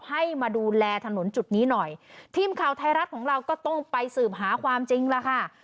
ให้มาดูแลถนนจุดนี้หน่อยทีมข่าวไทยรัฐของเราก็ต้องไปสืบหาความจริงแล้วค่ะ